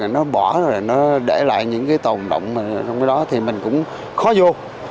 nó bỏ rồi nó để lại những cái tồn động mà trong cái đó thì mình cũng khó vô